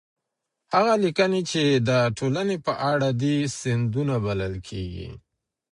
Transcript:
هغه ليکنې چي د ټولني په اړه دي، سندونه بلل کيږي.